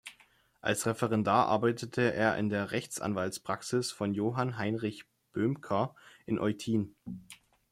Als Referendar arbeitete er in der Rechtsanwaltspraxis von Johann Heinrich Böhmcker in Eutin.